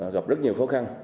gặp rất nhiều khó khăn